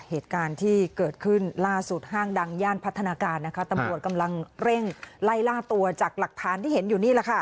เหตุการณ์ที่เกิดขึ้นล่าสุดห้างดังย่านพัฒนาการนะคะตำรวจกำลังเร่งไล่ล่าตัวจากหลักฐานที่เห็นอยู่นี่แหละค่ะ